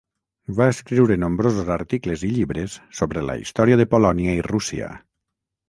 Va escriure nombrosos articles i llibres sobre la història de Polònia i Rússia.